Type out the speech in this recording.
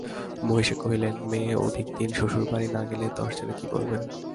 মহিষী কহিলেন, মেয়ে অধিক দিন শ্বশুরবাড়ি না গেল দশজনে কী বলবে?